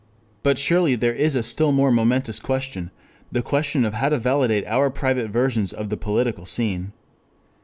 _] But surely there is a still more momentous question, the question of how to validate our private versions of the political scene.